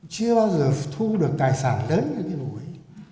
chưa bao giờ thu được tài sản lớn như cái vụ ấy